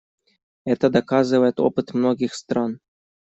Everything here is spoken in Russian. Это доказывает опыт многих стран.